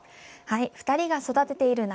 ２人が育てている夏